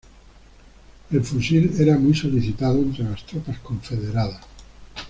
El fusil era muy solicitado entre las tropas confederadas.